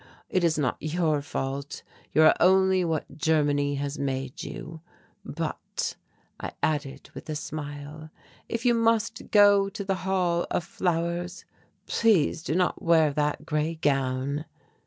It is not your fault. You are only what Germany has made you but," I added with a smile, "if you must go to the Hall of Flowers, please do not wear that grey gown."